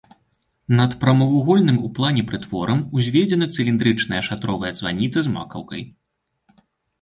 Над прамавугольным у плане прытворам узведзена цыліндрычная шатровая званіца з макаўкай.